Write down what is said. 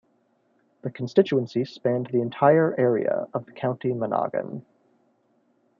The constituency spanned the entire area of the County Monaghan.